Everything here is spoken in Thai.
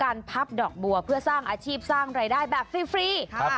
พับดอกบัวเพื่อสร้างอาชีพสร้างรายได้แบบฟรี